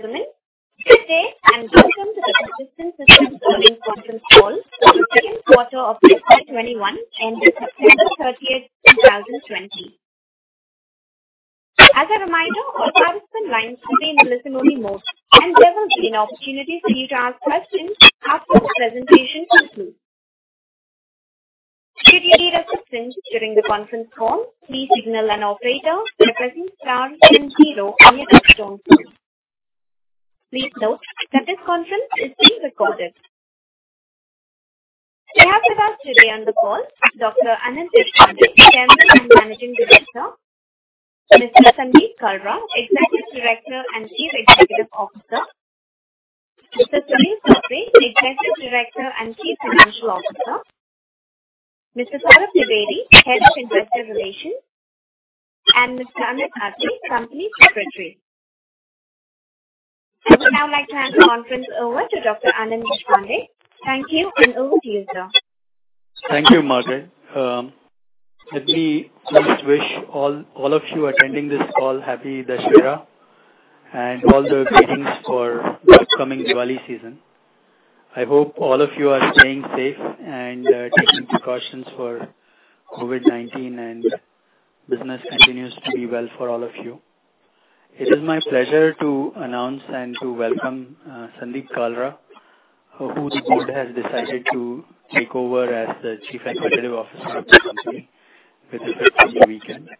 Ladies and gentlemen, good day. Welcome to the Persistent Systems earnings conference call for the second quarter of FY 2021 ended September 30, 2020. As a reminder, all participant lines will be in listen-only mode, and there will be an opportunity for you to ask questions after the presentation concludes. Should you need assistance during the conference call, please signal an operator by pressing star then zero on your touch-tone phone. Please note that this conference is being recorded. We have with us today on the call Dr. Anand Deshpande, Chairman and Managing Director; Mr. Sandeep Kalra, Executive Director and Chief Executive Officer; Mr. Sunil Sapre, Executive Director and Chief Financial Officer; Mr. Saurabh Dwivedi, Head of Investor Relations; and Ms. Amit Atre, Company Secretary. I would now like to hand the conference over to Dr. Anand Deshpande. Thank you, and over to you, sir. Thank you, Margaret. Let me first wish all of you attending this call happy Dussehra and all the greetings for the upcoming Diwali season. I hope all of you are staying safe and taking precautions for COVID-19. Business continues to be well for all of you. It is my pleasure to announce and to welcome Sandeep Kalra, who the board has decided to take over as the Chief Executive Officer of the company with effect from the weekend.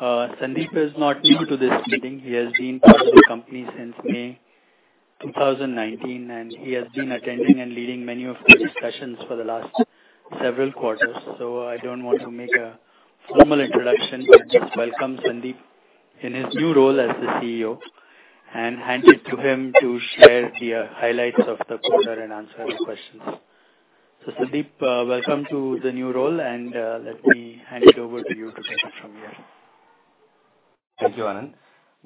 Sandeep is not new to this meeting. He has been part of the company since May 2019. He has been attending and leading many of the discussions for the last several quarters. I don't want to make a formal introduction, but just welcome Sandeep in his new role as the CEO and hand it to him to share the highlights of the quarter and answer the questions. Sandeep, welcome to the new role, and let me hand it over to you to take it from here. Thank you, Anand.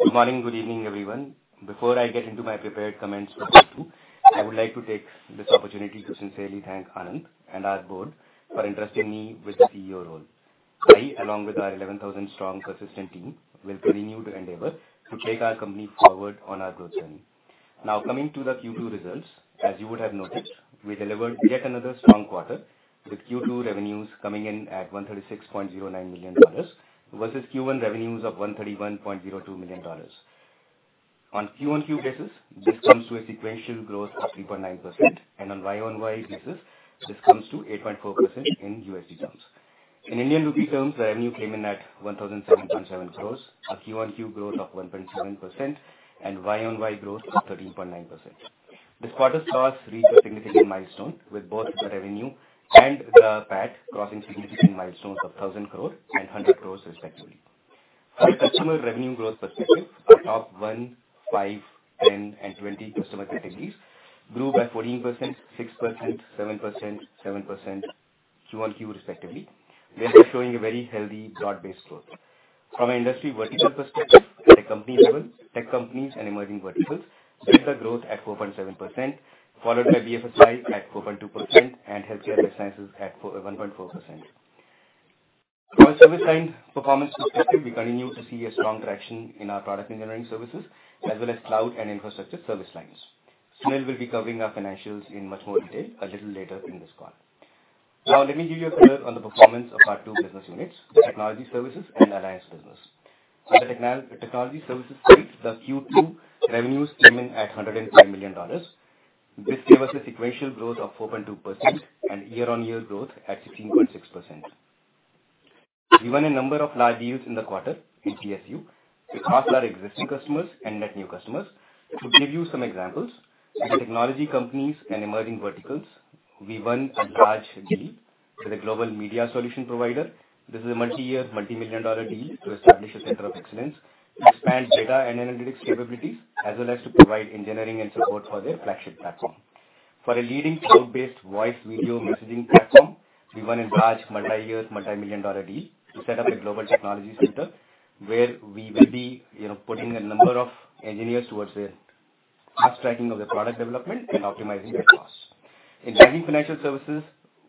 Good morning, good evening, everyone. Before I get into my prepared comments for Q2, I would like to take this opportunity to sincerely thank Anand and our board for entrusting me with the CEO role. I, along with our 11,000 strong Persistent team, will continue to endeavor to take our company forward on our growth journey. Now coming to the Q2 results, as you would have noticed, we delivered yet another strong quarter with Q2 revenues coming in at $136.09 million versus Q1 revenues of $131.02 million. On a QoQ basis, this comes to a sequential growth of 3.9%, and on a YoY basis, this comes to 8.4% in USD terms. In Indian rupee terms, revenue came in at 1,007.7 crore, a QoQ growth of 1.7% and YoY growth of 13.9%. This quarter saw us reach a significant milestone with both the revenue and the PAT crossing significant milestones of 1,000 crore and 100 crore respectively. From a customer revenue growth perspective, our top one, five, 10, and 20 customer categories grew by 14%, 6%, 7%, 7% QoQ respectively, thereby showing a very healthy broad-based growth. From an industry vertical perspective, at a company level, tech companies and emerging verticals led the growth at 4.7%, followed by BFSI at 4.2% and healthcare and life sciences at 1.4%. From a service line performance perspective, we continue to see a strong traction in our product engineering services as well as cloud and infrastructure service lines. Sunil will be covering our financials in much more detail a little later in this call. Let me give you a color on the performance of our two business units, the Technology Services and Alliance business. On the Technology Services side, the Q2 revenues came in at $105 million. This gave us a sequential growth of 4.2% and year-on-year growth at 16.6%. We won a number of large deals in the quarter in TSU across our existing customers and net new customers. To give you some examples, in technology companies and emerging verticals, we won a large deal with a global media solution provider. This is a multi-year, multi-million dollar deal to establish a Center of Excellence to expand data and analytics capabilities, as well as to provide engineering and support for their flagship platform. For a leading cloud-based voice video messaging platform, we won a large multi-year, multi-million dollar deal to set up a global technology center where we will be putting a number of engineers towards the abstracting of their product development and optimizing their costs. In banking financial services,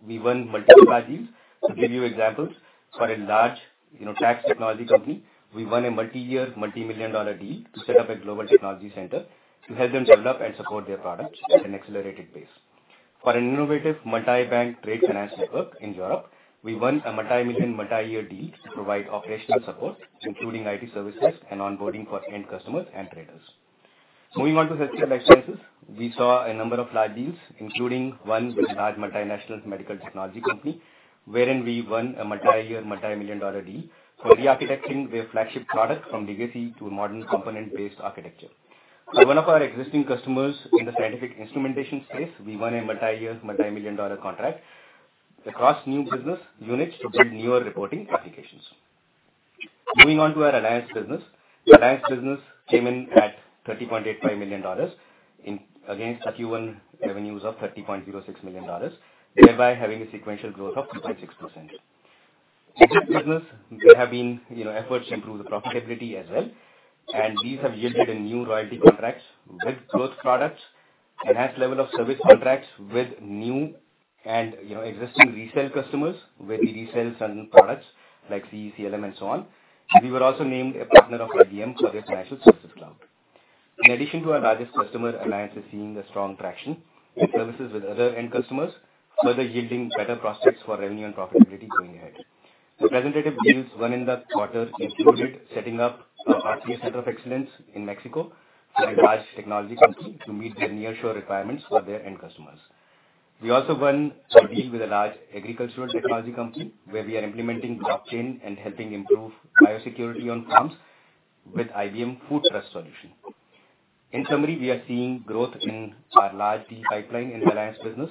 we won multiple large deals. To give you examples, for a large tax technology company, we won a multi-year, multi-million dollar deal to set up a global technology center to help them develop and support their products at an accelerated pace. For an innovative multi-bank trade finance network in Europe, we won a multi-million, multi-year deal to provide operational support, including IT services and onboarding for end customers and traders. Moving on to healthcare and life sciences, we saw a number of large deals, including one with a large multinational medical technology company wherein we won a multi-year, multi-million dollar deal for re-architecting their flagship product from legacy to a modern component-based architecture. For one of our existing customers in the scientific instrumentation space, we won a multi-year, multi-million dollar contract across new business units to build newer reporting applications. Moving on to our Alliance business. Alliance business came in at $30.85 million against our Q1 revenues of $30.06 million, thereby having a sequential growth of 2.6%. In this business, there have been efforts to improve the profitability as well, and these have yielded in new royalty contracts with both products. Enhanced level of service contracts with new and existing reseller customers where we resell certain products like CE, CLM and so on. We were also named a partner of IBM for their Financial Services Cloud. In addition to our largest customer, Alliance is seeing a strong traction in services with other end customers, further yielding better prospects for revenue and profitability going ahead. The representative deals won in the quarter included setting up our RPA Center of Excellence in Mexico for a large technology company to meet their nearshore requirements for their end customers. We also won a deal with a large agricultural technology company, where we are implementing blockchain and helping improve biosecurity on farms with IBM Food Trust solution. In summary, we are seeing growth in our large deal pipeline in Alliance business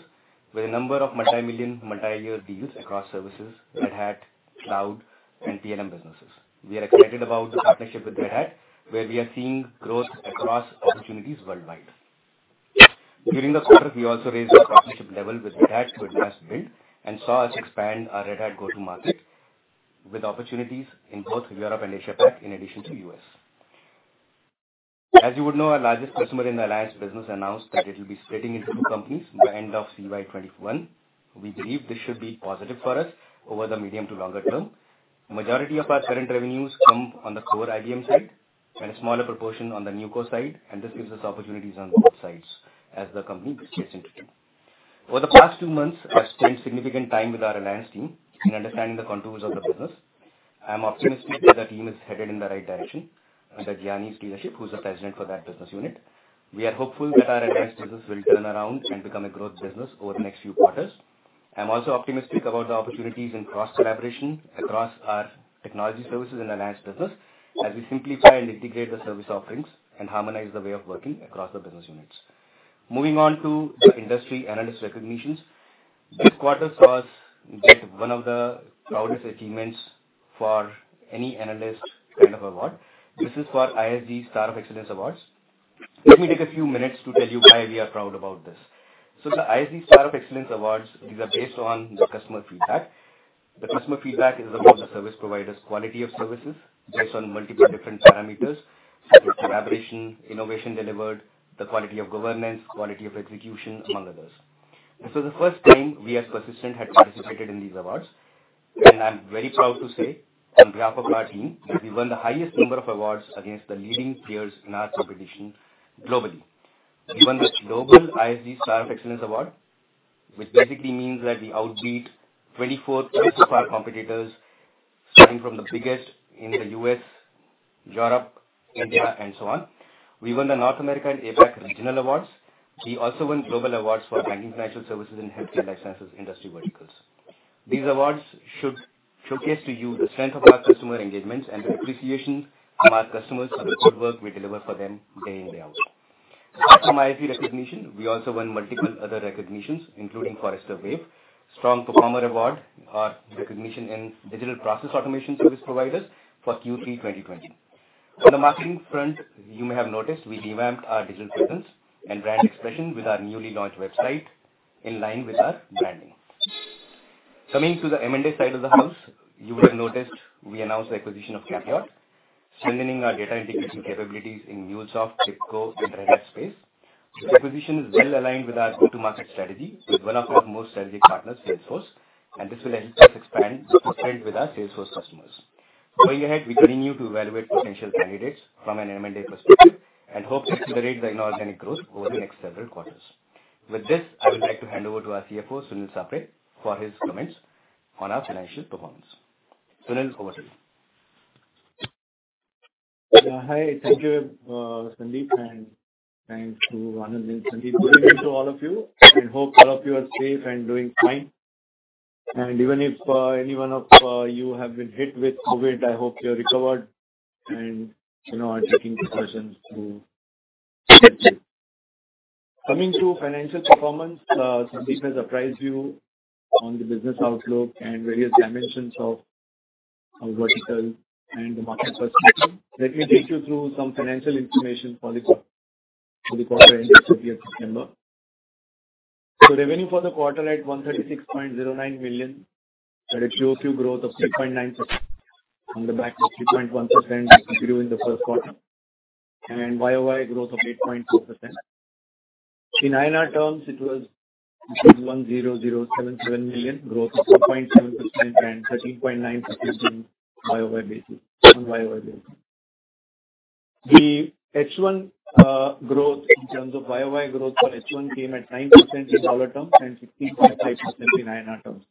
with a number of multi-million, multi-year deals across services, Red Hat, cloud, and T&M businesses. We are excited about the partnership with Red Hat, where we are seeing growth across opportunities worldwide. During the quarter, we also raised our partnership level with Red Hat to Advanced Partner and saw us expand our Red Hat go-to-market with opportunities in both Europe and Asia-Pac, in addition to U.S. As you would know, our largest customer in the Alliance business announced that it'll be splitting into two companies by end of CY 2021. We believe this should be positive for us over the medium to longer term. Majority of our current revenues come on the core IBM side and a smaller proportion on the NewCo side. This gives us opportunities on both sides as the company splits into two. Over the past two months, I've spent significant time with our Alliance team in understanding the contours of the business. I'm optimistic that the team is headed in the right direction under Jiani's leadership, who's the president for that business unit. We are hopeful that our Alliance business will turn around and become a growth business over the next few quarters. I'm also optimistic about the opportunities in cross-collaboration across our Technology Services and Alliance business as we simplify and integrate the service offerings and harmonize the way of working across the business units. Moving on to the industry analyst recognitions. This quarter saw us get one of the proudest achievements for any analyst kind of award. This is for ISG Star of Excellence Awards. Let me take a few minutes to tell you why we are proud about this. The ISG Star of Excellence Awards, these are based on the customer feedback. The customer feedback is about the service provider's quality of services based on multiple different parameters such as collaboration, innovation delivered, the quality of governance, quality of execution, among others. This is the first time we as Persistent had participated in these awards, and I'm very proud to say, on behalf of our team, that we won the highest number of awards against the leading peers in our competition globally. We won the Global ISG Star of Excellence Award, which basically means that we outbeat 24+ of our competitors, starting from the biggest in the U.S., Europe, India, and so on. We won the North America and APAC regional awards. We also won global awards for banking, financial services, and healthcare life sciences industry verticals. These awards should showcase to you the strength of our customer engagements and the appreciation from our customers for the good work we deliver for them day in, day out. Apart from ISG recognition, we also won multiple other recognitions, including Forrester Wave Strong Performer Award or recognition in digital process automation service providers for Q3 2020. On the marketing front, you may have noticed we revamped our digital presence and brand expression with our newly launched website in line with our branding. Coming to the M&A side of the house, you would have noticed we announced the acquisition of CAPIOT, strengthening our data integration capabilities in MuleSoft, TIBCO, and Red Hat space. This acquisition is well-aligned with our go-to-market strategy with one of our most strategic partners, Salesforce, and this will help us expand our strength with our Salesforce customers. Going ahead, we continue to evaluate potential candidates from an M&A perspective and hope to accelerate the inorganic growth over the next several quarters. With this, I would like to hand over to our CFO, Sunil Sapre, for his comments on our financial performance. Sunil, over to you. Hi. Thank you, Sandeep, and thanks to Anand and Sandeep. Good evening to all of you and hope all of you are safe and doing fine. Even if any one of you have been hit with COVID-19, I hope you have recovered and are taking precautions to stay safe. Coming to financial performance, Sandeep has apprised you on the business outlook and various dimensions of our vertical and the market perspective. Let me take you through some financial information for the quarter ended 30th September. Revenue for the quarter at $136.09 million, that is QoQ growth of 3.9% on the back of 3.1% we grew in the first quarter and YoY growth of 8.4%. In INR terms, it was 10,077 million, growth of 1.7% and 13.9% on a YoY basis. The H1 growth in terms of YoY growth for H1 came at 9% in dollar terms and 16.5% in INR terms.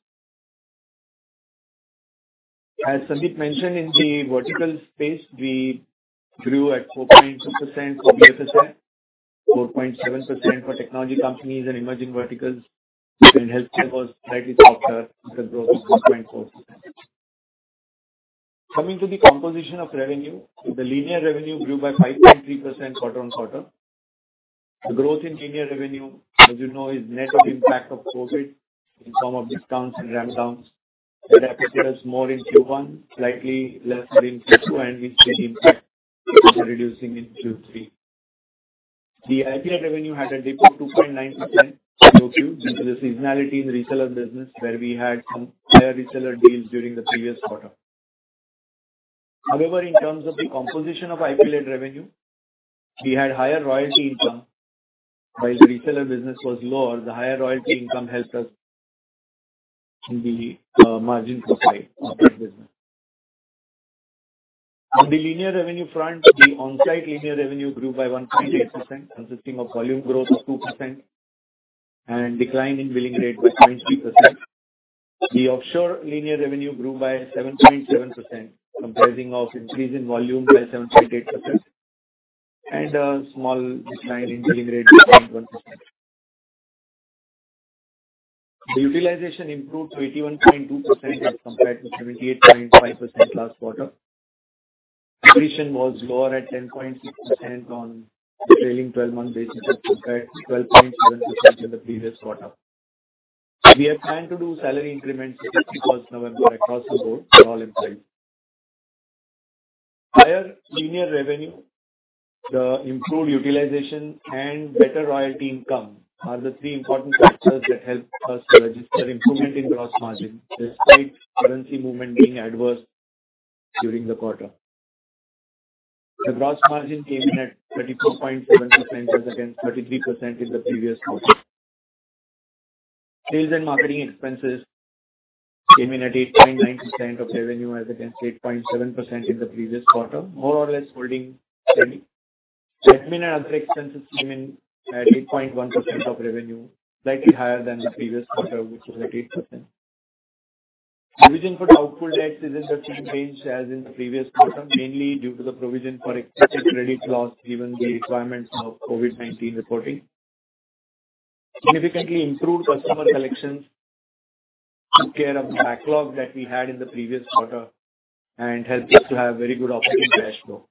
As Sandeep mentioned, in the vertical space, we grew at 4.2% for BFSI, 4.7% for technology companies and emerging verticals, and healthcare was slightly after with a growth of 1.4%. Coming to the composition of revenue. The linear revenue grew by 5.3% quarter-on-quarter. The growth in linear revenue, as you know, is net of impact of COVID-19 in form of discounts and ramp downs that affected us more in Q1, slightly lesser in Q2, and we see impact reducing in Q3. The IP revenue had a dip of 2.9% QoQ due to the seasonality in reseller business, where we had some higher reseller deals during the previous quarter. However, in terms of the composition of IP-led revenue, we had higher royalty income. While the reseller business was lower, the higher royalty income helped us in the margin profile of that business. On the linear revenue front, the onsite linear revenue grew by 1.8%, consisting of volume growth of 2% and decline in billing rate by 0.3%. The offshore linear revenue grew by 7.7%, comprising of increase in volume by 7.8% and a small decline in billing rate of 0.1%. The utilization improved to 81.2% as compared to 78.5% last quarter. Attrition was lower at 10.6% on a trailing 12-month basis as compared to 12.7% in the previous quarter. We are planning to do salary increments with effect from November across the board for all employees. Higher linear revenue, the improved utilization, and better royalty income are the three important factors that helped us to register improvement in gross margin despite currency movement being adverse during the quarter. The gross margin came in at 34.7% as against 33% in the previous quarter. Sales and marketing expenses came in at 8.9% of revenue as against 8.7% in the previous quarter, more or less holding steady. Admin and other expenses came in at 8.1% of revenue, slightly higher than the previous quarter, which was at 8%. Provision for doubtful debts is unchanged as in the previous quarter, mainly due to the provision for expected credit loss, given the requirements of COVID-19 reporting. Significantly improved customer collections took care of the backlog that we had in the previous quarter and helped us to have very good operating cash flow.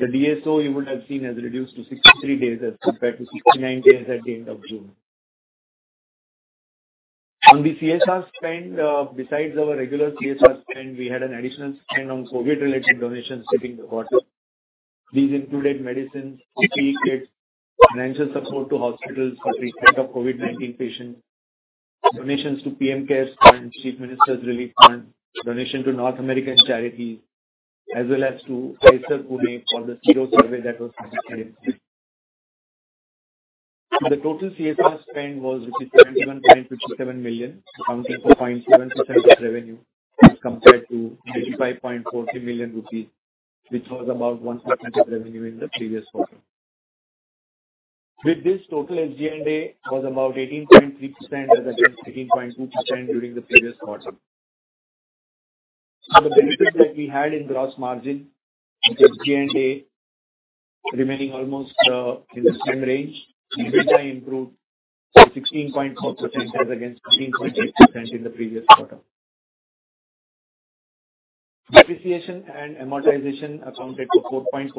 The DSO you would have seen has reduced to 63 days as compared to 69 days at the end of June. On the CSR spend, besides our regular CSR spend, we had an additional spend on COVID-related donations during the quarter. These included medicines, PPE kits, financial support to hospitals for the treatment of COVID-19 patients, donations to PM CARES Fund, Chief Minister's Relief Fund, donation to North American charities, as well as to IISER Pune for the sero-survey that was undertaken. The total CSR spend was INR 71.57 million, accounting for 0.7% of revenue, as compared to 95.40 million rupees, which was about 1% of revenue in the previous quarter. With this, total SG&A was about 18.3% as against 18.2% during the previous quarter. The benefits that we had in gross margin and SG&A remaining almost in the same range, EBITDA improved to 16.4% as against 14.8% in the previous quarter. Depreciation and amortization accounted for 4.4%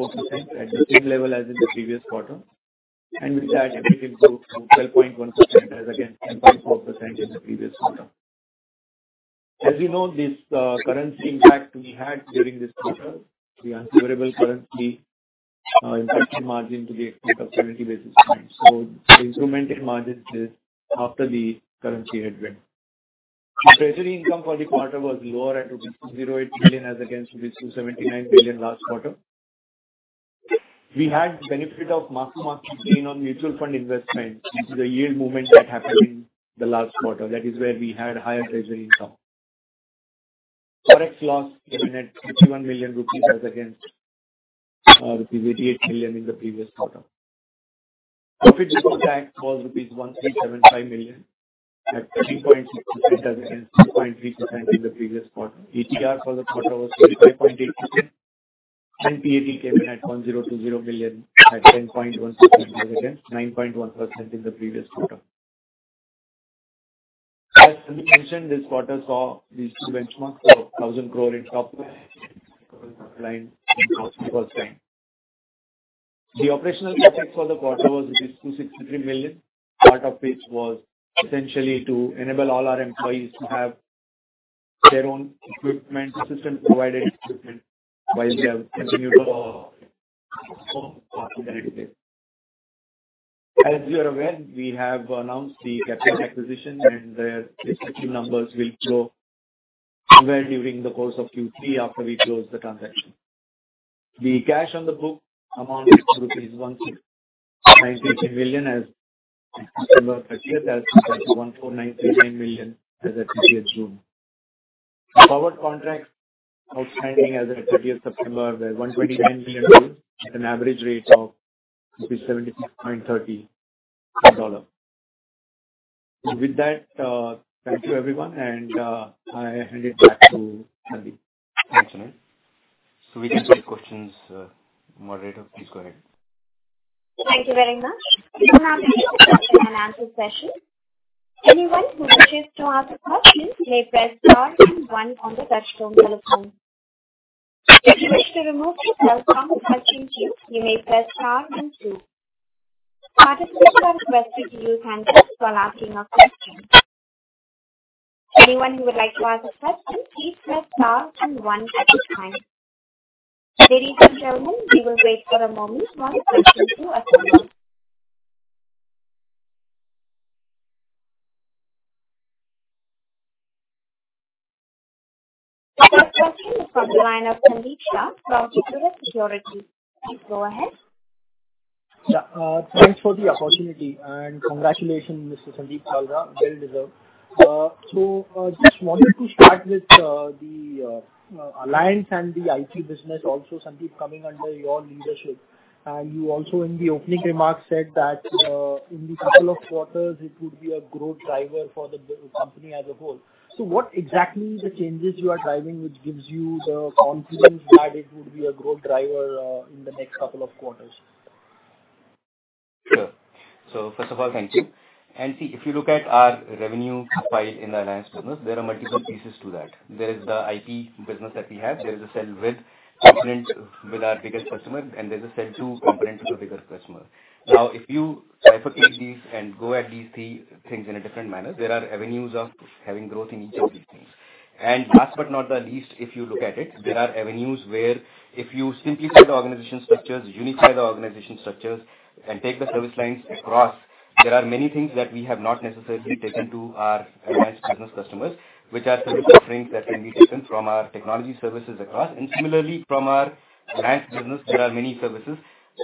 at the same level as in the previous quarter. With that, EBITDA improved to 12.1% as against 10.4% in the previous quarter. As you know, this currency impact we had during this quarter, the unfavorable currency impacted margin to the extent of 20 basis points. The improvement in margin is after the currency headwind. Treasury income for the quarter was lower at INR 208 million as against 279 million last quarter. We had benefit of mark-to-market gain on mutual fund investment due to the yield movement that happened in the last quarter. That is where we had higher treasury income. Forex loss came in at 51 million rupees as against rupees 88 million in the previous quarter. Profit before tax was INR 1,375 million at 13.6% as against 12.3% in the previous quarter. ETR for the quarter was 25.8%, and PAT came in at 1,020 million at 10.1% as against 9.1% in the previous quarter. As Sandeep mentioned, this quarter saw we reached the benchmark of 1,000 crore in top line for the first time. The operational CapEx for the quarter was rupees 263 million, part of which was essentially to enable all our employees to have their own equipment, system-provided equipment while they have continued to work from home or from their offices. As you are aware, we have announced the CAPIOT acquisition, and their respective numbers will flow through during the course of Q3 after we close the transaction. The cash on the book amounted to rupees 16,939 million as of September 30, as compared to INR 14,939 million as at 30th June. Our forward contracts outstanding as at 30th September were $129 million at an average rate of rupees 76.30 per dollar. With that, thank you everyone. I hand it back to Sandeep. Thanks, Sunil. We can take questions. Moderator, please go ahead. Thank you very much. We now begin the question and answer session. Anyone who wishes to ask a question may press star then one on the touchtone telephone. If you wish to remove yourself from the question queue, you may press star then two. Participants are requested to use handsets while asking a question. Anyone who would like to ask a question, please press star then one at this time. Ladies and gentlemen, we will wait for a moment while the questions are coming in. The next question is from the line of Sandeep Shah from Equirus Securities. Please go ahead. Yeah. Thanks for the opportunity and congratulations, Mr. Sandeep Kalra. Well deserved. Just wanted to start with the Alliance and the IT business also, Sandeep, coming under your leadership. You also in the opening remarks said that in the couple of quarters it would be a growth driver for the company as a whole. What exactly is the changes you are driving, which gives you the confidence that it would be a growth driver in the next couple of quarters? Sure. First of all, thank you. See, if you look at our revenue file in the Alliance business, there are multiple pieces to that. There is the IT business that we have. There is a sell-with component with our biggest customer, and there's a sell-to component to the biggest customer. If you bifurcate these and go at these three things in a different manner, there are avenues of having growth in each of these things. Last but not the least, if you look at it, there are avenues where if you simplify the organization structures, unify the organization structures, and take the service lines across, there are many things that we have not necessarily taken to our Alliance business customers, which are service offerings that can be taken from our Technology Services across. Similarly, from our Alliance business, there are many services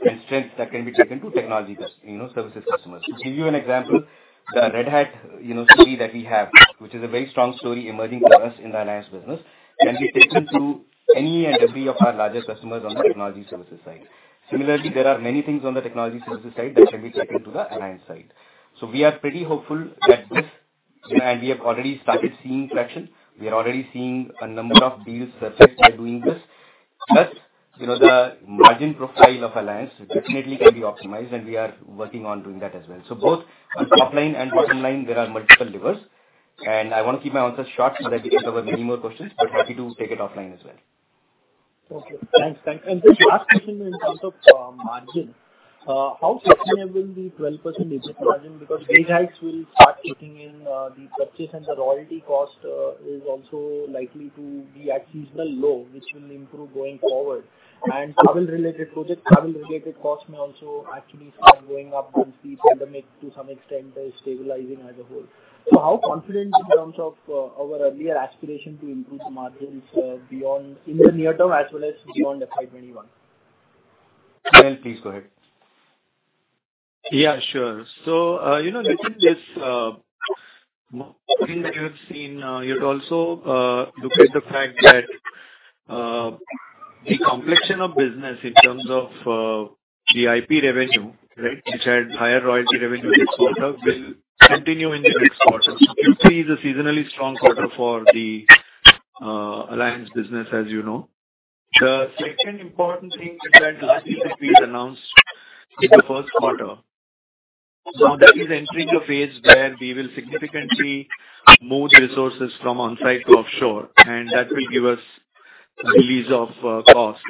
and strengths that can be taken to Technology Services customers. To give you an example, the Red Hat story that we have, which is a very strong story emerging for us in the Alliance business, can be taken to any and every of our larger customers on the Technology Services side. Similarly, there are many things on the Technology Services side that can be taken to the Alliance side. We are pretty hopeful. We have already started seeing traction. We are already seeing a number of deals surface by doing this. The margin profile of Alliance definitely can be optimized, and we are working on doing that as well. Both on top line and bottom line, there are multiple levers. I want to keep my answers short so that we can cover many more questions, but happy to take it offline as well. Okay. Thanks. Just last question in terms of margin. How sustainable is the 12% EBIT margin? Wage hikes will start kicking in, the purchase and the royalty cost is also likely to be at seasonal low, which will improve going forward. Travel-related projects, travel-related costs may also actually start going up once the pandemic to some extent is stabilizing as a whole. How confident in terms of our earlier aspiration to improve margins in the near term as well as beyond FY 2021? Sunil, please go ahead. Yeah, sure. Within this that you have seen, you'd also look at the fact that the complexion of business in terms of the IP revenue, right, which had higher royalty revenue this quarter will continue in the next quarter. Q3 is a seasonally strong quarter for the Alliance business, as you know. The second important thing is that last year we announced in the first quarter. That is entering a phase where we will significantly move resources from on-site to offshore, and that will give us release of cost.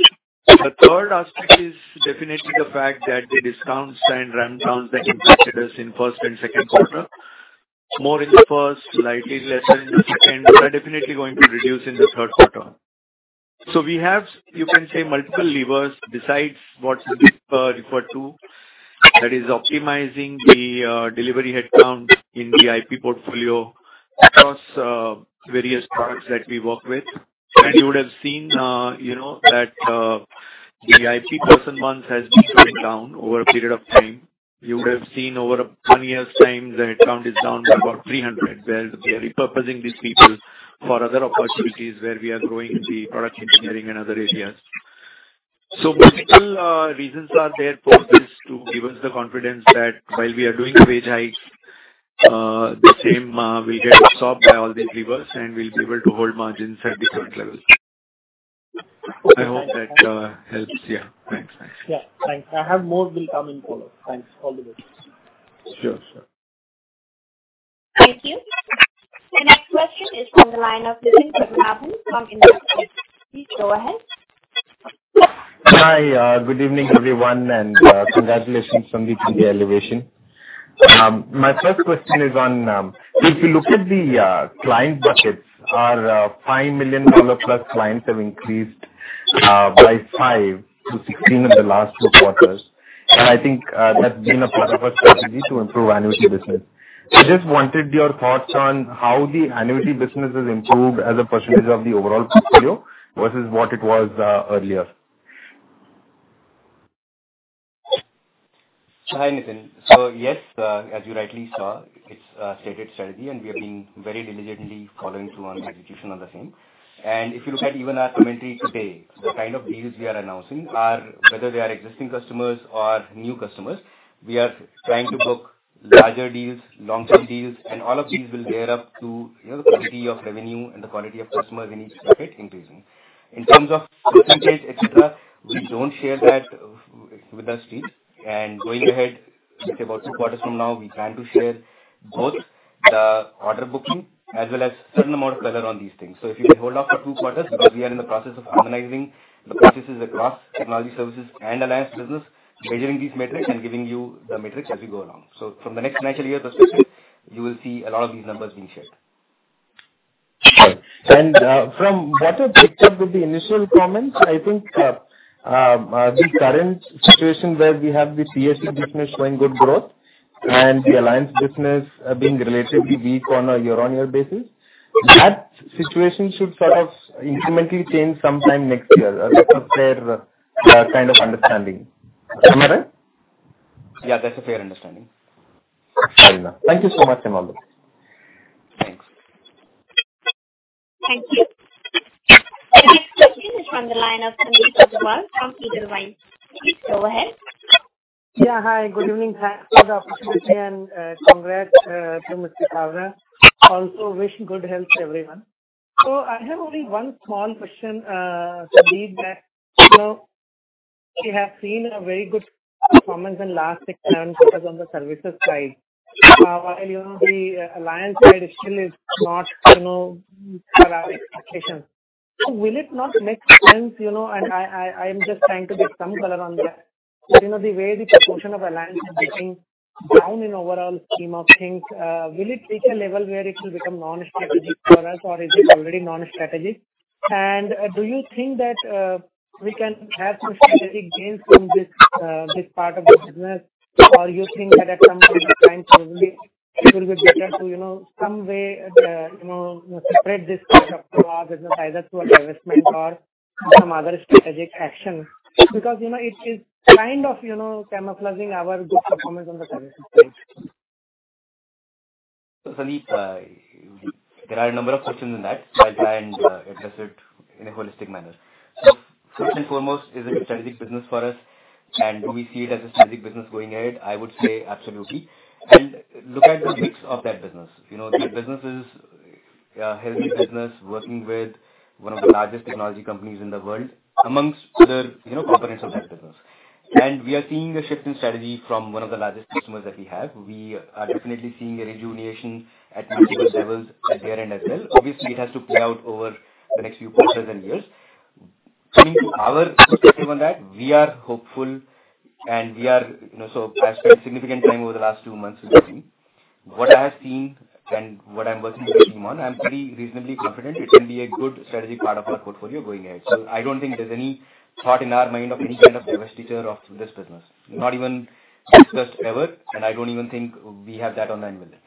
The third aspect is definitely the fact that the discounts and ramp downs that impacted us in first and second quarter. More in the first, slightly less in the second. Those are definitely going to reduce in the third quarter. We have, you can say, multiple levers besides what Sandeep referred to, that is optimizing the delivery headcount in the IP portfolio across various products that we work with. You would have seen that the IP person months has been going down over a period of time. You would have seen over a one year's time, the headcount is down by about 300 where we are repurposing these people for other opportunities where we are growing the product engineering and other areas. Multiple reasons are there for this to give us the confidence that while we are doing wage hikes, the same will get absorbed by all these levers and we'll be able to hold margins at the current level. I hope that helps. Yeah. Thanks. Yeah. Thanks. I have more will come in follow. Thanks. All the best. Sure. Thank you. The next question is from the line of Nitin Padmanabhan from Investec. Please go ahead. Hi. Good evening, everyone. Congratulations on the India elevation. My first question is on, if you look at the client buckets, our $5+ million clients have increased by five to 16 in the last two quarters. I think that's been a part of a strategy to improve annuity business. Just wanted your thoughts on how the annuity business has improved as a percentage of the overall portfolio versus what it was earlier. Hi, Nitin. Yes, as you rightly saw, it's a stated strategy, and we are being very diligently following through on execution on the same. If you look at even our commentary today, the kind of deals we are announcing are whether they are existing customers or new customers. We are trying to book larger deals, long-term deals, and all of these will bear up to the quality of revenue and the quality of customer we need to keep it increasing. In terms of percentage, et cetera, we don't share that with the street. Going ahead, let's say about two quarters from now, we plan to share both the order booking as well as certain amount of color on these things. If you can hold off for two quarters because we are in the process of harmonizing the processes across Technology Services and Alliance business, measuring these metrics and giving you the metrics as we go along. From the next financial year perspective, you will see a lot of these numbers being shared. From what I picked up with the initial comments, I think the current situation where we have the PSU business showing good growth and the Alliance business being relatively weak on a year-on-year basis, that situation should sort of incrementally change sometime next year. That's a fair kind of understanding. Am I right? Yeah, that's a fair understanding. Fine. Thank you so much, Sandeep. Thanks. Thank you. The next question is from the line of Sandeep Agarwal from Edelweiss. Please go ahead. Yeah. Hi, good evening. Thanks for the opportunity and congrats to Mr. Kalra. Also wish good health to everyone. I have only one small question, Sandeep, that we have seen a very good performance in last six months because on the services side. While the Alliance side still is not per our expectations. I'm just trying to get some color on the way the proportion of Alliance is getting down in overall scheme of things. Will it reach a level where it will become non-strategic for us, or is it already non-strategic? Do you think that we can have some strategic gains from this part of the business? You think that at some point in time it will be better to some way separate this part of our business, either through a divestment or some other strategic action? It is kind of camouflaging our good performance on the services side. Sandeep, there are a number of questions in that. I'll try and address it in a holistic manner. First and foremost, is it a strategic business for us, and do we see it as a strategic business going ahead? I would say absolutely. Look at the mix of that business. The business is a healthy business working with one of the largest technology companies in the world, amongst other components of that business. We are seeing a shift in strategy from one of the largest customers that we have. We are definitely seeing a rejuvenation at multiple levels at their end as well. Obviously, it has to play out over the next few quarters and years. Coming to our perspective on that, we are hopeful and we are. I've spent significant time over the last two months with the team. What I have seen and what I'm working with the team on, I'm pretty reasonably confident it can be a good strategic part of our portfolio going ahead. I don't think there's any thought in our mind of any kind of divestiture of this business. Not even discussed ever, and I don't even think we have that on mind with it.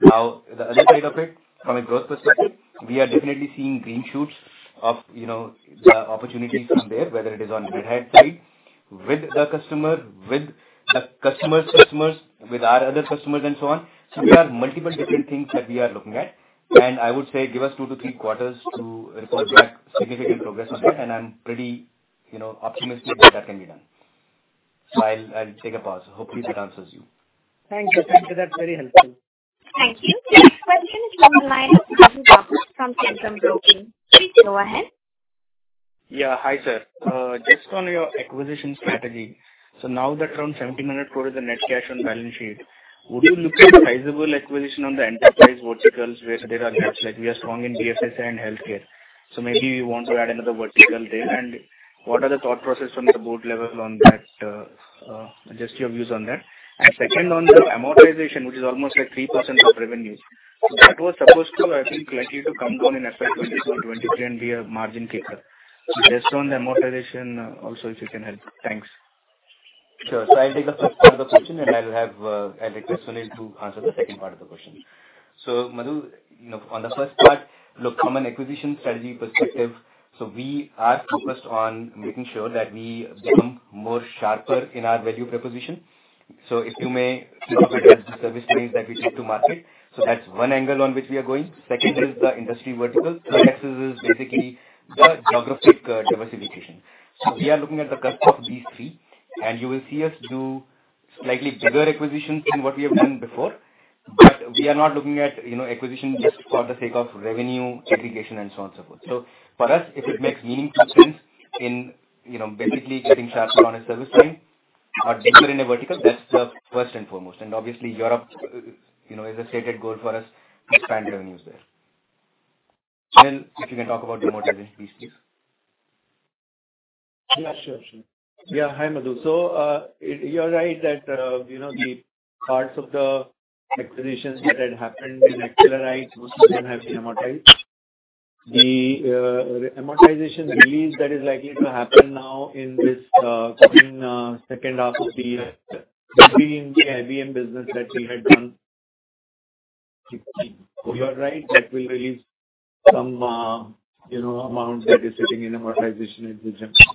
The other side of it, from a growth perspective, we are definitely seeing green shoots of the opportunities from there, whether it is on Red Hat side with the customer, with the customer's customers, with our other customers, and so on. We have multiple different things that we are looking at, and I would say give us two to three quarters to report back significant progress on that, and I'm pretty optimistic that that can be done. I'll take a pause. Hopefully that answers you. Thank you. That's very helpful. Thank you. The next question is from the line of Madhu Babu from Centrum Broking. Please go ahead. Yeah. Hi, sir. Just on your acquisition strategy. Now that around 1,700 crore is the net cash on the balance sheet, would you look at a sizable acquisition on the enterprise verticals where there are gaps, like we are strong in BFSI and healthcare. What are the thought process from the board level on that? Just your views on that. Second, on the amortization, which is almost at 3% of revenues. That was supposed to, I think, likely to come down in FY 2022 and 2023 and be a margin kicker. Just on the amortization, also, if you can help. Thanks. Sure. I'll take the first part of the question, and I'll request Sunil to answer the second part of the question. Madhu, on the first part, look, from an acquisition strategy perspective, we are focused on making sure that we become more sharper in our value proposition. If you may think of it as the service lines that we take to market. That's one angle on which we are going. Second is the industry vertical. Third axis is basically the geographic diversification. We are looking at the cusp of these three, and you will see us do slightly bigger acquisitions than what we have done before. We are not looking at acquisition just for the sake of revenue aggregation and so on, so forth. For us, if it makes meaningful sense in basically getting sharper on a service train or deeper in a vertical, that's the first and foremost. Obviously Europe is a stated goal for us to expand revenues there. Sunil, if you can talk about the amortization please. Yeah, sure. Hi, Madhu. You're right that the parts of the acquisitions that had happened in Accelerite, most of them have been amortized. The amortization release that is likely to happen now in this coming second half of the year will be in the IBM business that we had done. You are right, that will release some amounts that are sitting in amortization at this junction.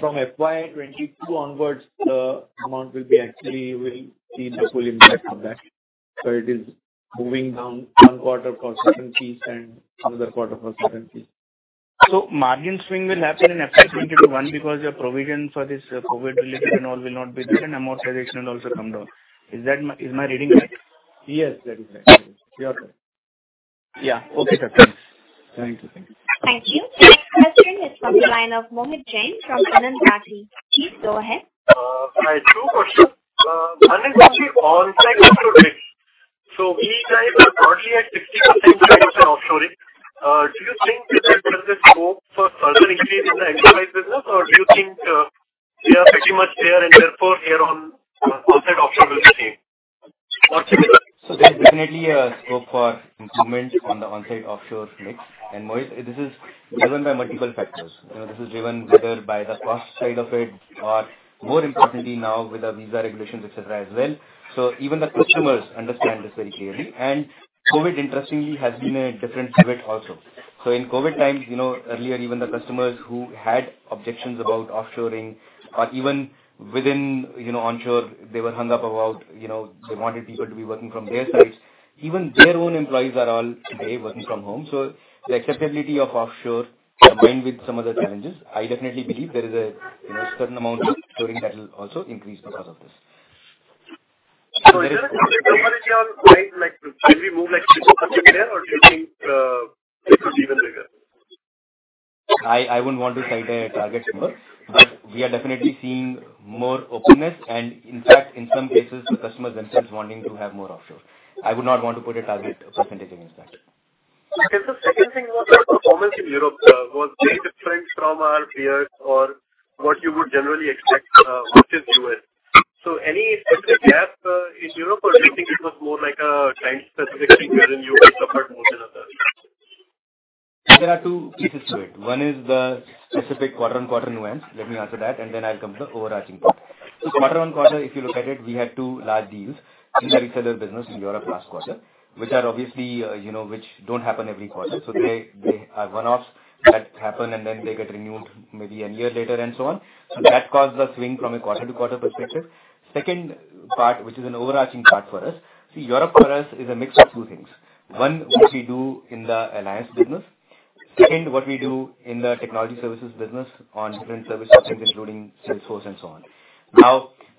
From FY 2022 onwards, the amount will be we'll see the full impact of that. It is moving down one quarter consistently and another quarter consistently. Margin swing will happen in FY 2021 because your provision for this COVID-19 related and all will not be there, and amortization will also come down. Is my reading correct? Yes, that is right. Yeah. Okay, sir. Thanks. Thank you. Thank you. Next question is from the line of Mohit Jain from Anand Rathi. Please go ahead. Hi. Two questions. Anand Rathi. We guys are broadly at 60% kind of offshoring. Do you think that there's a scope for further increase in the enterprise business, or do you think we are pretty much there and therefore hereon onsite offshore will be same, or similar? There's definitely a scope for improvement on the onsite-offshore mix. Mohit, this is driven by multiple factors. This is driven whether by the cost side of it or more importantly now with the visa regulations, et cetera, as well. Even the customers understand this very clearly. COVID, interestingly, has been a different pivot also. In COVID times, earlier even the customers who had objections about offshoring or even within onshore, they were hung up about they wanted people to be working from their sites. Even their own employees are all today working from home. The acceptability of offshore combined with some other challenges, I definitely believe there is a certain amount of offshoring that will also increase because of this. There is some clarity on when we move like 3%-4% or do you think this is even bigger? I wouldn't want to cite a target number, but we are definitely seeing more openness and in fact, in some cases, the customers themselves wanting to have more offshore. I would not want to put a target percentage against that. Okay. The second thing was the performance in Europe was very different from our peers or what you would generally expect versus U.S. Any specific gap in Europe or do you think it was more like a time-specific thing wherein U.S. suffered more than others? There are two pieces to it. One is the specific quarter-on-quarter nuance. Let me answer that and then I'll come to the overarching point. Quarter-on-quarter, if you look at it, we had two large deals in the reseller business in Europe last quarter, which don't happen every quarter. They are one-offs that happen and then they get renewed maybe a year later and so on. That caused the swing from a quarter-to-quarter perspective. Second part, which is an overarching part for us. See, Europe for us is a mix of two things. One, which we do in the Alliance business. Second, what we do in the Technology Services business on different service offerings including Salesforce and so on.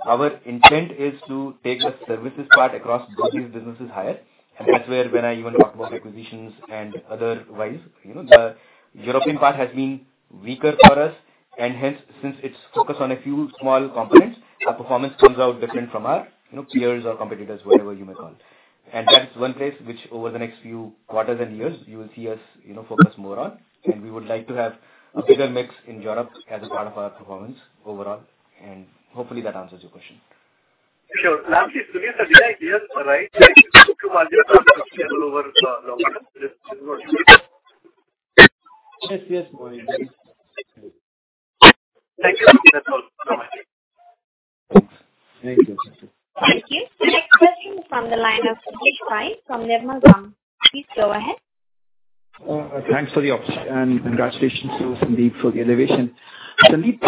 Our intent is to take the services part across both these businesses higher, and that's where when I even talk about acquisitions and otherwise. The European part has been weaker for us. Hence, since it's focused on a few small components, our performance turns out different from our peers or competitors, whatever you may call. That's one place which over the next few quarters and years, you will see us focus more on. We would like to have a bigger mix in Europe as a part of our performance overall. Hopefully that answers your question. Sure. Lastly, Sunil, did I hear right that 2Q margins are sustainable over longer term? Yes, Mohit. Thank you. That's all. Over. Thank you. Thank you. The next question from the line of Girish Pai from Nirmal Bang. Please go ahead. Thanks for the opportunity and congratulations to Sandeep for the elevation. Sandeep,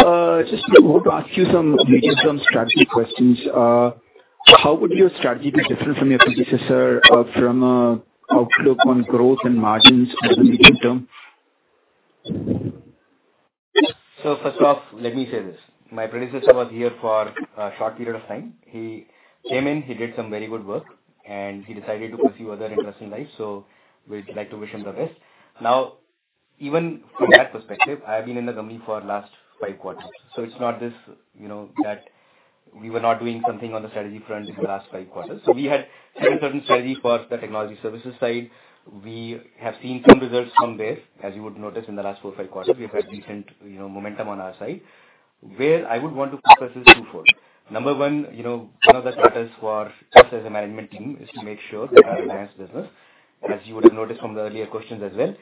just want to ask you some medium-term strategy questions. How would your strategy be different from your predecessor from outlook on growth and margins over the medium term? First off, let me say this. My predecessor was here for a short period of time. He came in, he did some very good work, and he decided to pursue other interests in life. We'd like to wish him the best. Now, even from that perspective, I've been in the company for last five quarters. It's not this that we were not doing something on the strategy front in the last five quarters. We had certain strategy for the Technology Services side. We have seen some results from this, as you would notice in the last four, five quarters. We've had decent momentum on our side. Where I would want to focus is two-fold. Number one, one of the charters for us as a management team is to make sure that our Alliance business, as you would have noticed from the earlier questions as well,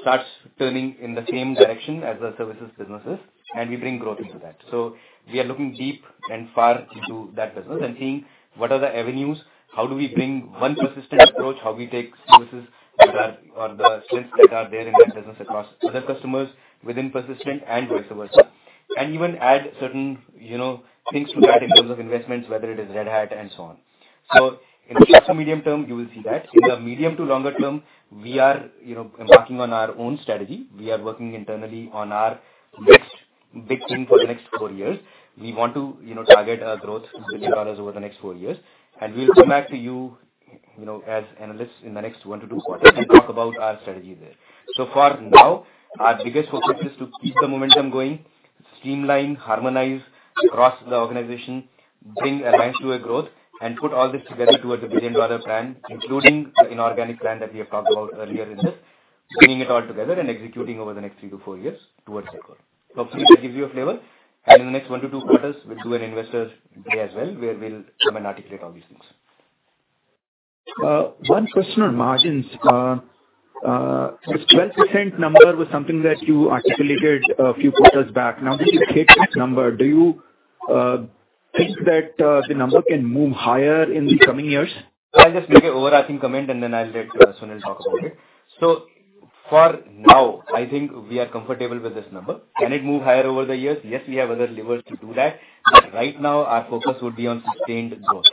starts turning in the same direction as the services businesses and we bring growth into that. We are looking deep and far into that business and seeing what are the avenues, how do we bring one Persistent approach, how we take services that are, or the strengths that are there in that business across other customers within Persistent and vice versa. Even add certain things to that in terms of investments, whether it is Red Hat and so on. In the short to medium term, you will see that. In the medium to longer term, we are embarking on our own strategy. We are working internally on our next big thing for the next four years. We want to target a growth of $1 billion over the next four years, and we'll come back to you as analysts in the next one to two quarters and talk about our strategy there. For now, our biggest focus is to keep the momentum going, streamline, harmonize across the organization, bring Alliance to a growth, and put all this together towards a $1 billion plan, including the inorganic plan that we have talked about earlier in this, bringing it all together and executing over the next three to four years towards that goal. Hopefully, that gives you a flavor. In the next one to two quarters, we'll do an Investors Day as well, where we'll come and articulate all these things. One question on margins. This 12% number was something that you articulated a few quarters back. Now that you've hit this number, do you think that the number can move higher in the coming years? I'll just make an overarching comment and then I'll let Sunil talk about it. For now, I think we are comfortable with this number. Can it move higher over the years? Yes, we have other levers to do that, but right now our focus would be on sustained growth.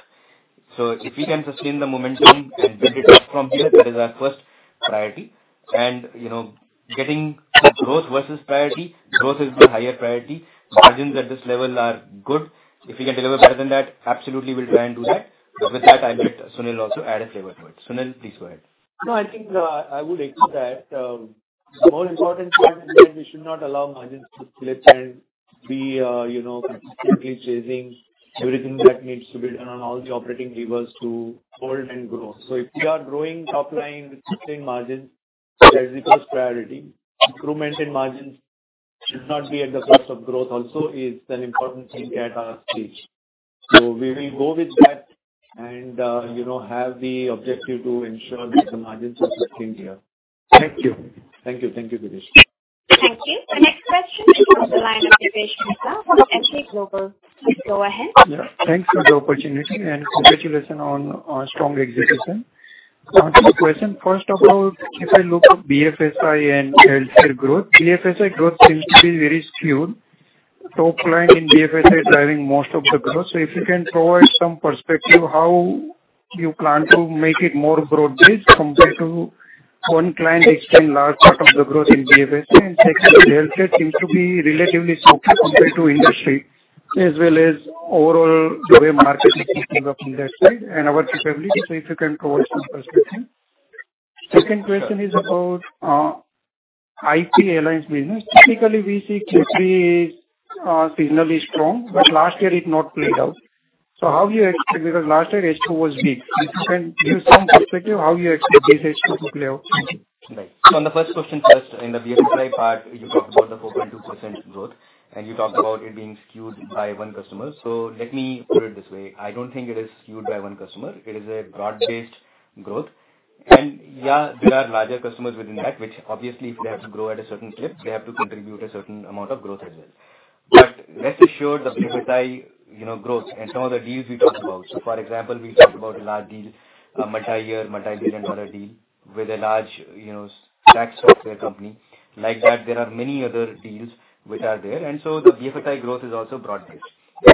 If we can sustain the momentum and build it up from here, that is our first priority. Getting growth versus priority, growth is the higher priority. Margins at this level are good. If we can deliver better than that, absolutely, we'll try and do that. With that, I'll let Sunil also add a flavor to it. Sunil, please go ahead. No, I think I would echo that. The more important part is that we should not allow margins to slip and be consistently chasing everything that needs to be done on all the operating levers to hold and grow. If we are growing top line with sustained margins, that is the first priority. Improvement in margins should not be at the cost of growth also is an important thing at our stage. We will go with that and have the objective to ensure that the margins are sustained here. Thank you Thank you, Girish. Thank you. The next question comes from the line of Dipesh Mehta from Emkay Global. Please go ahead. Yeah. Thanks for the opportunity and congratulations on strong execution. Coming to the question, first of all, if I look at BFSI and healthcare growth, BFSI growth seems to be very skewed. Top line in BFSI is driving most of the growth. If you can provide some perspective how you plan to make it more broad-based compared to one client taking large part of the growth in BFSI? Secondly, healthcare seems to be relatively softer compared to industry, as well as overall the way market is picking up on that side and our capability. If you can provide some perspective? Second question is about IP Alliance business. Typically, we see Q3 seasonally strong, but last year it not played out. How do you expect, because last year H2 was weak. If you can give some perspective how you expect this H2 to play out? Thank you. Right. On the first question first, in the BFSI part, you talked about the 4.2% growth, and you talked about it being skewed by one customer. Let me put it this way, I don't think it is skewed by one customer. It is a broad-based growth. Yeah, there are larger customers within that, which obviously if they have to grow at a certain clip, they have to contribute a certain amount of growth as well. Rest assured, the BFSI growth and some of the deals we talked about. For example, we talked about a large deal, a multi-year, multi-billion-dollar deal with a large tax software company. Like that, there are many other deals which are there, the BFSI growth is also broad-based.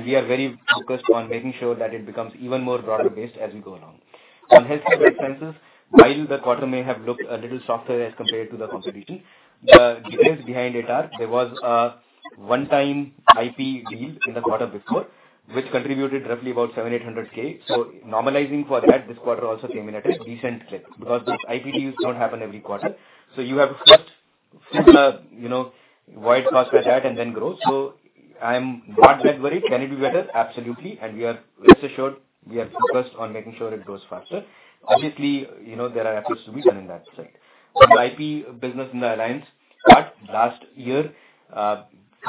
We are very focused on making sure that it becomes even more broader-based as we go along. On healthcare life sciences, while the quarter may have looked a little softer as compared to the competition, the reasons behind it are there was a one-time IP deal in the quarter before, which contributed roughly about $700,000-$800,000. Normalizing for that, this quarter also came in at a decent clip because those IP deals don't happen every quarter. You have to first fill the void cost for that and then growth. I'm not that worried. Can it be better? Absolutely. Rest assured, we are focused on making sure it grows faster. Obviously, there are efforts to be done in that side. On the IP business in the Alliance part, last year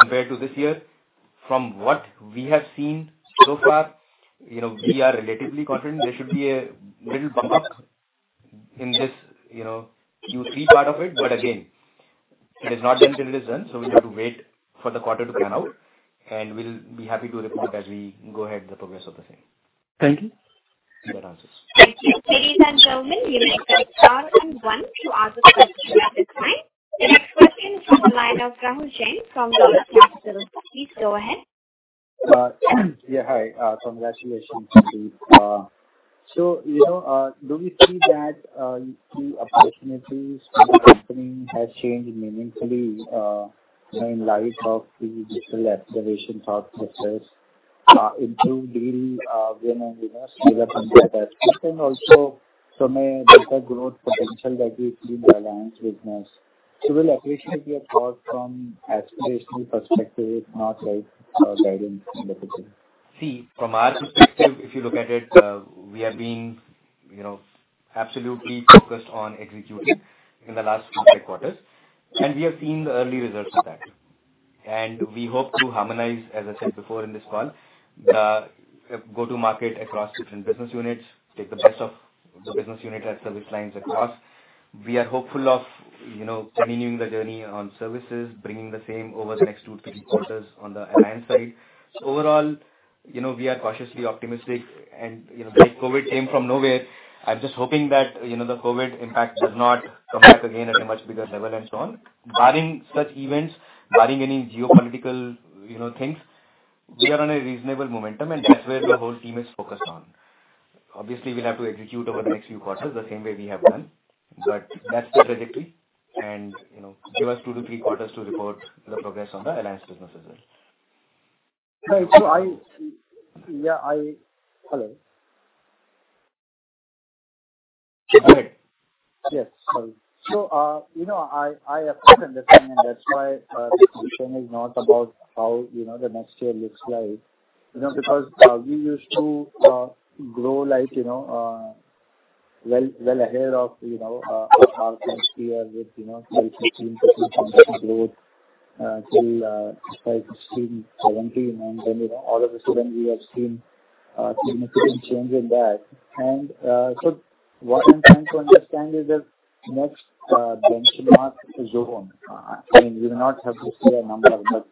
compared to this year, from what we have seen so far, we are relatively confident there should be a little bump up in this Q3 part of it. Again, it is not done till it is done. We'll have to wait for the quarter to pan out, and we'll be happy to report as we go ahead the progress of the same. Thank you. Thank you. The next question is from the line of Rahul Jain from Dolat Capital. Please go ahead. Yeah. Hi. Congratulations. Do we see that the opportunities in the company has changed meaningfully in light of the digital acceleration successes, improved deal win and renew, as well as some of that? Also some data growth potential that we see in the Alliance business. Will acquisition be a thought from aspirational perspective, if not right guidance in the future? From our perspective, if you look at it, we are being absolutely focused on executing in the last two, three quarters, and we have seen the early results of that. We hope to harmonize, as I said before in this call, the go-to-market across different business units, take the best of the business unit and service lines across. We are hopeful of continuing the journey on services, bringing the same over the next two to three quarters on the Alliance side. Overall, we are cautiously optimistic and because COVID came from nowhere, I'm just hoping that the COVID impact does not come back again at a much bigger level and so on. Barring such events, barring any geopolitical things, we are on a reasonable momentum, and that's where the whole team is focused on. Obviously, we'll have to execute over the next few quarters the same way we have done. That's the trajectory and give us two to three quarters to report the progress on the Alliance business as well. Right. Hello. Go ahead. Yes. Sorry. I absolutely understand. That's why the question is not about how the next year looks like. We used to grow well ahead of our sized peers with 12%-15% kind of growth till 2015 and 2017, then all of a sudden we have seen significant change in that. What I'm trying to understand is the next benchmark zone. You do not have to say a number, but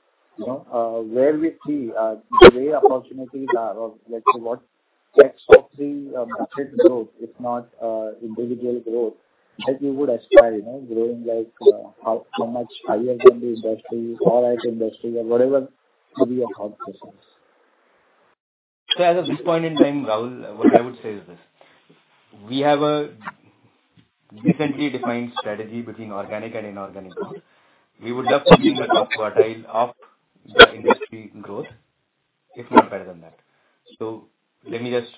where we see the way opportunities are of, let's say, what ex of the market growth, if not individual growth that you would aspire. Growing how much higher than the industry or at industry or whatever could be your thought process. As of this point in time, Rahul, what I would say is this. We have a decently defined strategy between organic and inorganic growth. We would love to be in the top quartile of the industry growth, if not better than that. Let me just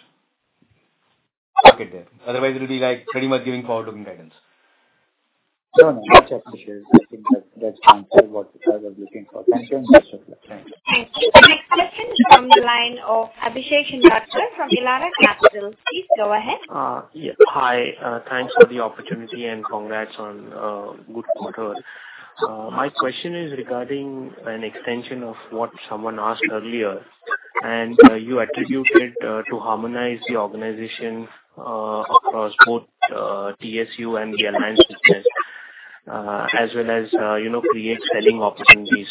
stop it there. Otherwise, it'll be like pretty much giving forward-looking guidance. No, no. Much appreciated. I think that answers what I was looking for. Thank you and best of luck. Thank you. Thank you. The next question is from the line of Abhishek Shindadkar Hi. Thanks for the opportunity and congrats on a good quarter. My question is regarding an extension of what someone asked earlier, and you attributed to harmonize the organization across both TSU and the Alliance business, as well as create selling opportunities.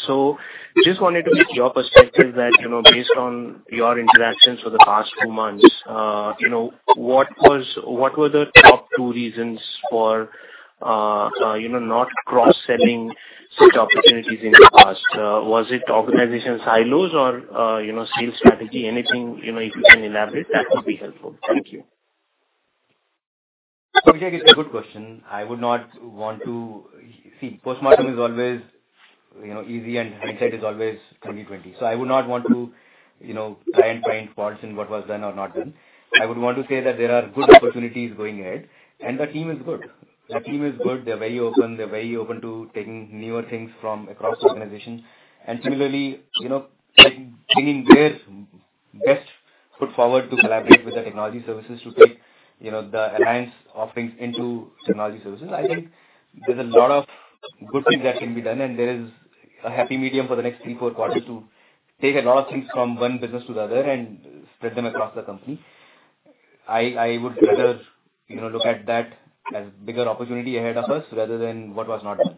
Just wanted to get your perspective that, based on your interactions for the past two months, what were the top two reasons for not cross-selling such opportunities in the past? Was it organization silos or sales strategy? Anything, if you can elaborate, that would be helpful. Thank you. Abhishek, it's a good question. Postmortem is always easy and hindsight is always 20/20. I would not want to try and find faults in what was done or not done. I would want to say that there are good opportunities going ahead, and the team is good. The team is good. They're very open. They're very open to taking newer things from across the organization. Similarly, bringing their best foot forward to collaborate with the Technology Services to take the Alliance offerings into Technology Services. I think there's a lot of good things that can be done, and there is a happy medium for the next three, four quarters to take a lot of things from one business to the other and spread them across the company. I would rather look at that as bigger opportunity ahead of us, rather than what was not done.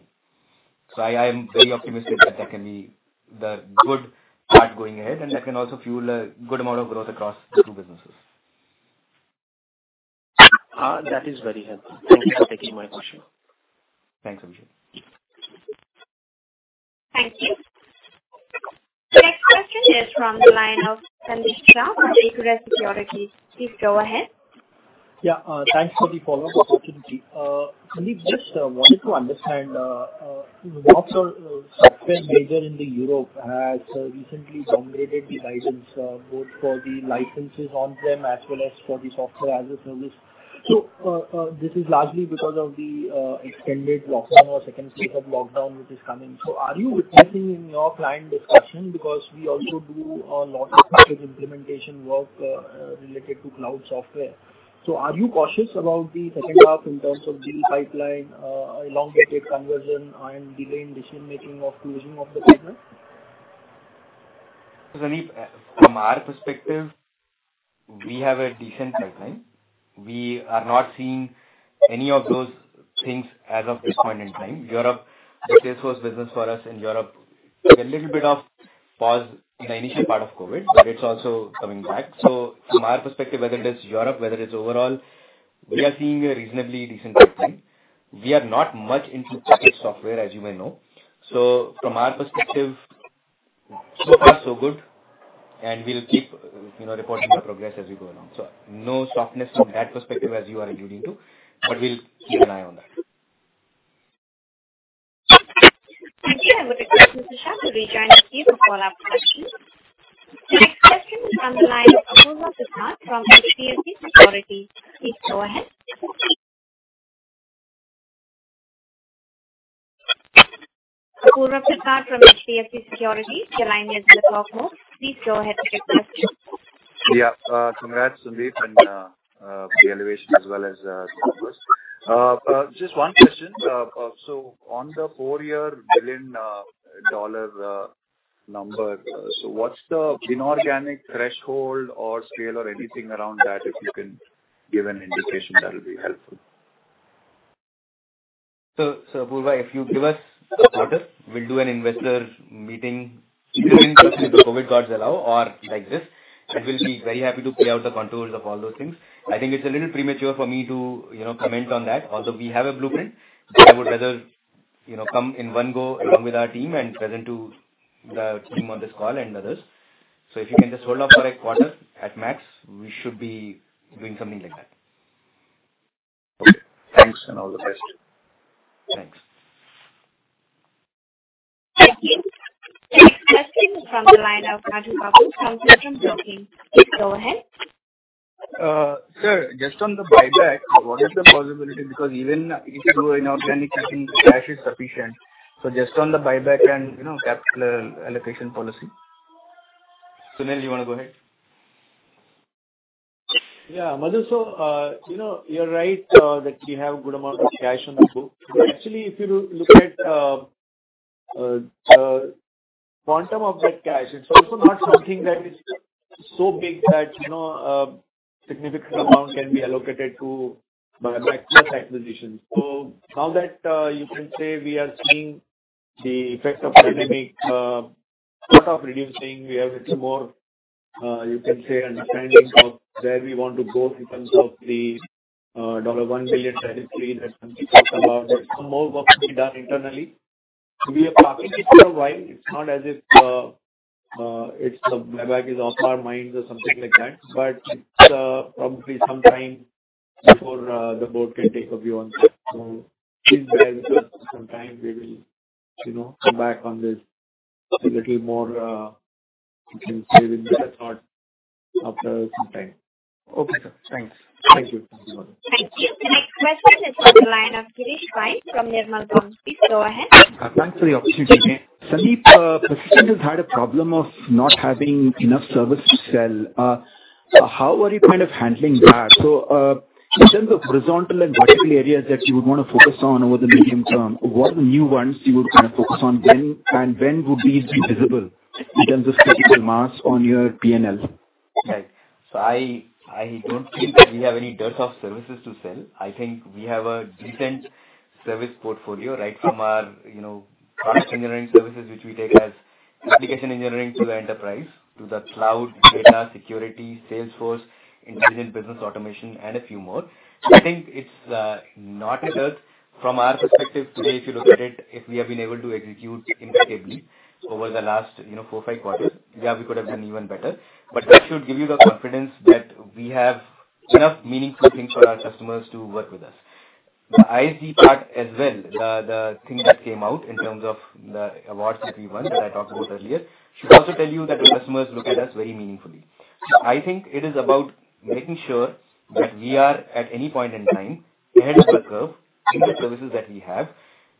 I am very optimistic that can be the good part going ahead, and that can also fuel a good amount of growth across the two businesses. That is very helpful. Thank you for taking my question. Thanks, Abhishek. Thank you. Next question is from the line of Sandeep Shah from Equirus Securities. Please go ahead. Yeah. Thanks for the follow-up opportunity. Sandeep, just wanted to understand, lots of software major in the Europe has recently downgraded the guidance, both for the licenses on-prem as well as for the software as a service. This is largely because of the extended lockdown or second stage of lockdown, which is coming. Are you witnessing in your client discussion? Because we also do a lot of package implementation work related to cloud software. Are you cautious about the second half in terms of deal pipeline, elongated conversion, and delayed decision-making of closing of the pipeline? Sandeep, from our perspective, we have a decent pipeline. We are not seeing any of those things as of this point in time. The Salesforce business for us in Europe took a little bit of pause in the initial part of COVID, but it's also coming back. From our perspective, whether it is Europe, whether it's overall, we are seeing a reasonably decent pipeline. We are not much into packaged software, as you may know. From our perspective, so far so good, and we'll keep reporting the progress as we go along. No softness from that perspective as you are alluding to, but we'll keep an eye on that. Thank you. I would request Sandeep Shah to rejoin the queue for follow-up questions. Next question is on the line of Apurva Prasad from HDFC Securities. Please go ahead. Apurva Prasad from HDFC Securities, your line is open. Please go ahead with your question. Yeah. Congrats, Sandeep, on the elevation as well as the numbers. Just one question. On the four-year billion-dollar number, what's the inorganic threshold or scale or anything around that? If you can give an indication, that'll be helpful. Apurva, if you give us a quarter, we'll do an investor meeting, either in-person if the COVID-19 gods allow or like this, and we'll be very happy to play out the contours of all those things. I think it's a little premature for me to comment on that. Although we have a blueprint, I would rather come in one go along with our team and present to the team on this call and others. If you can just hold on for a quarter at max, we should be doing something like that. Okay. Thanks and all the best. Thanks. Thank you. Next question from the line of Madhu Babu from Centrum Broking. Please go ahead. Sir, just on the buyback, what is the possibility? Because even if you do inorganic, I think cash is sufficient. Just on the buyback and capital allocation policy. Sunil, you want to go ahead? Madhu, you're right that we have good amount of cash on the book. Actually, if you look at quantum of that cash, it's also not something that is so big that significant amount can be allocated to buyback or acquisition. Now that you can say we are seeing the effect of pandemic, sort of reducing, we have a little more, you can say, understanding of where we want to go in terms of the $1 billion that is free, that Sandeep talked about. There's some more work to be done internally. We have parked it for a while. It's not as if the buyback is off our minds or something like that, it's probably some time before the board can take a view on that. Please bear with us for some time. We will come back on this a little more, you can say, with better thought after some time. Okay, sir. Thanks. Thank you. Thank you. The next question is from the line of Girish Pai from Nirmal Bang. Please go ahead. Thanks for the opportunity. Sandeep, Persistent has had a problem of not having enough service to sell. How are you kind of handling that? In terms of horizontal and vertical areas that you would want to focus on over the medium term, what are the new ones you would kind of focus on then, and when would these be visible in terms of critical mass on your P&L? Right. I don't feel that we have any dearth of services to sell. I think we have a decent service portfolio right from our product engineering services, which we take as application engineering to the enterprise, to the cloud, data security, Salesforce, intelligent business automation, and a few more. I think it's not a dearth. From our perspective today, if you look at it, if we have been able to execute inevitably over the last four or five quarters, yeah, we could have done even better. That should give you the confidence that we have enough meaningful things for our customers to work with us. The ISG part as well, the thing that came out in terms of the awards that we won, that I talked about earlier, should also tell you that the customers look at us very meaningfully. I think it is about making sure that we are, at any point in time, ahead of the curve in the services that we have,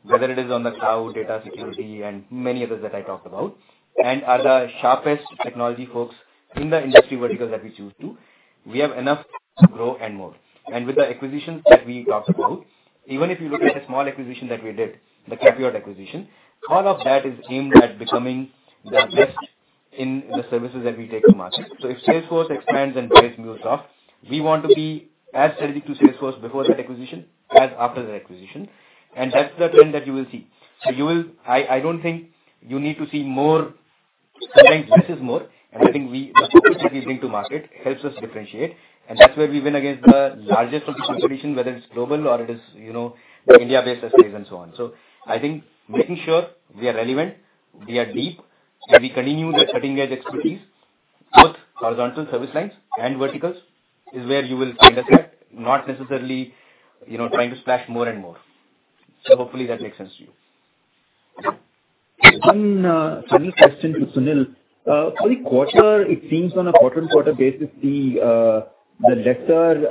whether it is on the cloud, data security, and many others that I talked about. Are the sharpest technology folks in the industry vertical that we choose to. We have enough to grow and more. With the acquisitions that we talked about, even if you look at the small acquisition that we did, the CAPIOT acquisition, all of that is aimed at becoming the best in the services that we take to market. If Salesforce expands and buys MuleSoft, we want to be as strategic to Salesforce before that acquisition as after the acquisition. That's the trend that you will see. I don't think you need to see more. Sometimes less is more, and I think the expertise that we bring to market helps us differentiate, and that's where we win against the largest of competition, whether it's global or it is India-based sized and so on. I think making sure we are relevant, we are deep, and we continue the cutting-edge expertise, both horizontal service lines and verticals is where you will see the threat, not necessarily trying to splash more and more. Hopefully that makes sense to you. One final question to Sunil. Every quarter, it seems on a quarter-on-quarter basis, the lesser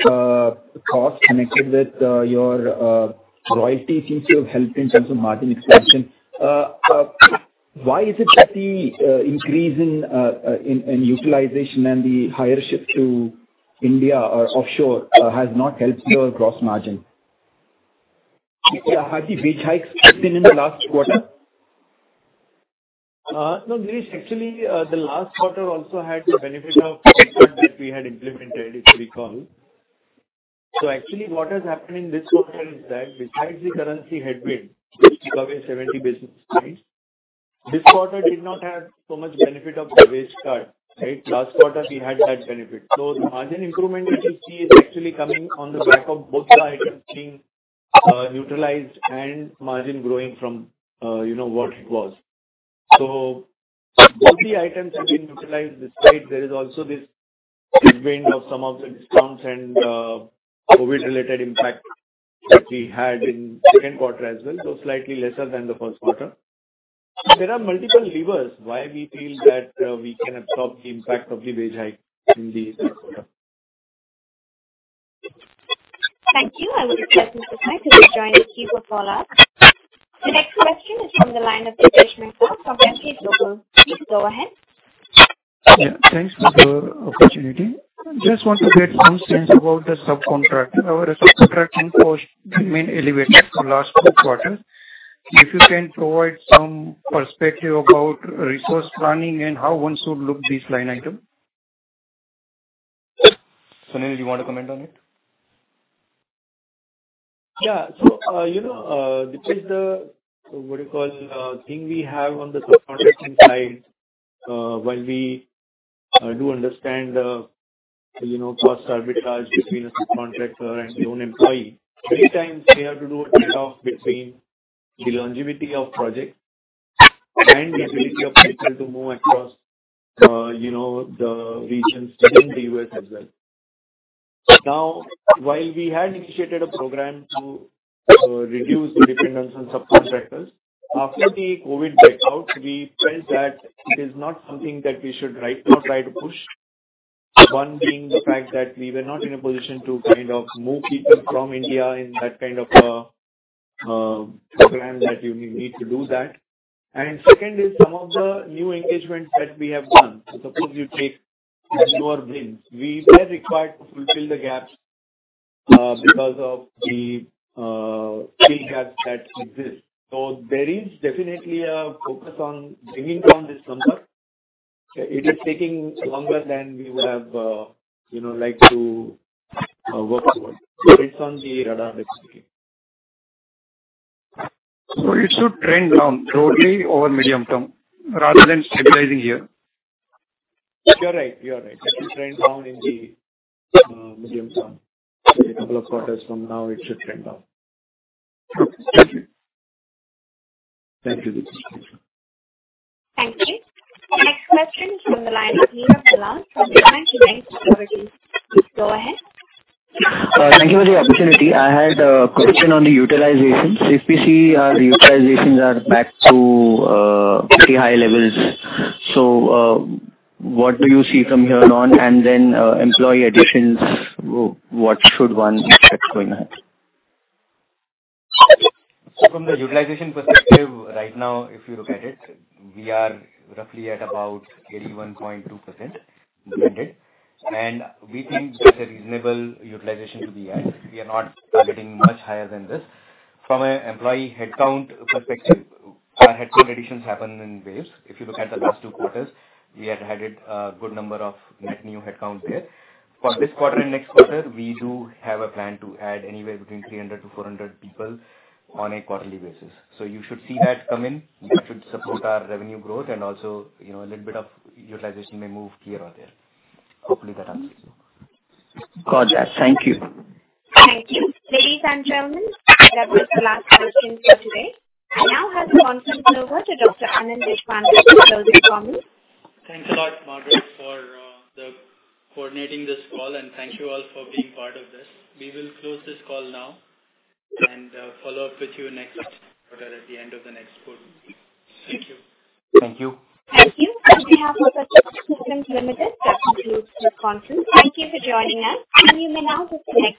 cost connected with your royalty seems to have helped in terms of margin expansion. Why is it that the increase in utilization and the higher shift to India or offshore has not helped your gross margin? Yeah. Had the wage hikes been in the last quarter? No, Girish. Actually, the last quarter also had the benefit of the wage cut that we had implemented, if you recall. Actually, what has happened in this quarter is that besides the currency headwind, which took away 70 basis points, this quarter did not have so much benefit of the wage cut. Right? Last quarter we had that benefit. The margin improvement which you see is actually coming on the back of both the items being neutralized and margin growing from what it was. Both the items have been neutralized, despite there is also this headwind of some of the discounts and COVID-related impact that we had in second quarter as well, so slightly lesser than the first quarter. There are multiple levers why we feel that we can absorb the impact of the wage hike in this quarter. I would like to ask Mr. Pai to rejoin the queue for follow-up. The next question is from the line of Dipesh Mehta from Emkay Global. Please go ahead. Yeah. Thanks for the opportunity. Just want to get some sense about the subcontractor. Our subcontracting cost remained elevated for the last two quarters. If you can provide some perspective about resource planning and how one should look at this line item? Sunil, do you want to comment on it? Yeah. because the, what do you call, thing we have on the subcontracting side while we do understand the cost arbitrage between a subcontractor and your own employee, many times we have to do a trade-off between the longevity of project and the ability of people to move across the regions within the U.S. as well. While we had initiated a program to reduce the dependence on subcontractors, after the COVID breakout, we felt that it is not something that we should right now try to push. One being the fact that we were not in a position to kind of move people from India in that kind of a program that you need to do that. Second is some of the new engagements that we have done. Suppose you take newer wins. We were required to fulfill the gaps because of the fill gaps that exist. There is definitely a focus on bringing down this number. It is taking longer than we would have liked to work toward. It's on the radar that's looking. It should trend down slowly over medium-term rather than stabilizing here? You're right. It should trend down in the medium term. A couple of quarters from now, it should trend down. Okay. Thank you. Thank you. Thank you. Next question is from the line of Neerav Dalal from Maybank Kim Eng Securities. Please go ahead. Thank you for the opportunity. I had a question on the utilizations. If we see our utilizations are back to very high levels. What do you see from here on? Employee additions, what should one expect going ahead? From the utilization perspective right now, if you look at it, we are roughly at about 81.2% blended, and we think that's a reasonable utilization to be at. We are not targeting much higher than this. From an employee headcount perspective, our headcount additions happen in waves. If you look at the last two quarters, we had added a good number of net new headcount there. For this quarter and next quarter, we do have a plan to add anywhere between 300-400 people on a quarterly basis. You should see that come in. That should support our revenue growth and also a little bit of utilization may move here or there. Hopefully that answers your question. Gotcha. Thank you. Thank you. Ladies and gentlemen, that was the last question for today. I now hand the conference over to Dr. Anand Deshpande for closing comments. Thanks a lot, Madhuri, for coordinating this call, and thank you all for being part of this. We will close this call now and follow up with you next quarter at the end of the next quarter. Thank you. Thank you. Thank you. On behalf of Persistent Systems Limited, that concludes the conference. Thank you for joining us. You may now disconnect.